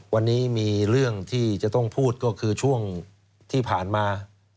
วันนี้มีเรื่องที่จะต้องพูดก็คือช่วงที่ผ่านมา